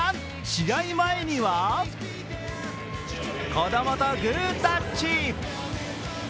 試合前には子供とグータッチ。